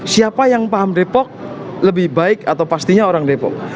siapa yang paham depok lebih baik atau pastinya orang depok